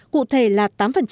cụ thể là tám